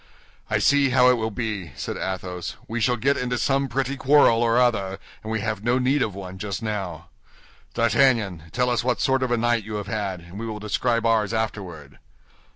"I see how it will be," said Athos: "we shall get into some pretty quarrel or other, and we have no need of one just now. D'Artagnan, tell us what sort of a night you have had, and we will describe ours afterward."